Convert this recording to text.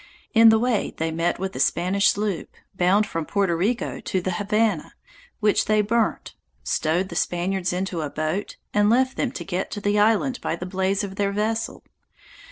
In the way they met with a Spanish sloop, bound from Porto Rico to the Havana, which they burnt, stowed the Spaniards into a boat, and left them to get to the island by the blaze of their vessel.